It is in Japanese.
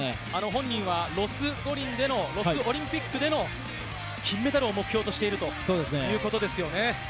本人はロスオリンピックでの金メダルを目標としてるということですよね。